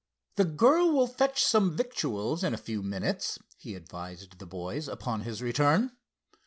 "The girl will fetch some victuals in a few minutes," he advised the boys upon his return.